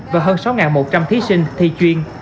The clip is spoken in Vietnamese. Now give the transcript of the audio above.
và hơn sáu một trăm linh thí sinh thi chuyên